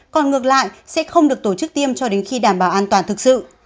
còn ngược lại sẽ không được tổ chức tiêm cho đến khi đảm bảo an toàn thực sự